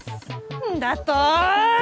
なんだと？